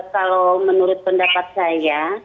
kalau menurut pendapat saya